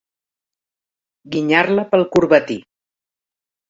Guinyar-la pel corbatí.